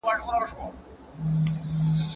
زه پرون د کتابتون کتابونه ولوستل؟!